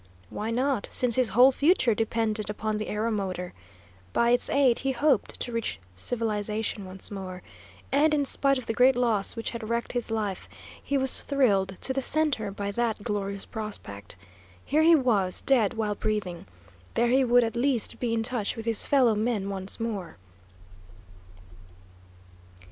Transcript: Why not, since his whole future depended upon the aeromotor? By its aid he hoped to reach civilization once more; and in spite of the great loss which had wrecked his life, he was thrilled to the centre by that glorious prospect. Here he was dead while breathing; there he would at least be in touch with his fellow men once more!